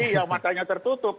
yang matanya tertutup